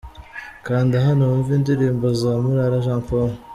Kanda hano wumve indirimbo za Murara Jean Paul.